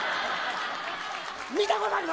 見たことあるか。